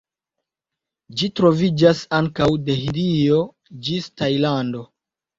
Ĝi troviĝas ankaŭ de Hindio ĝis Tajlando.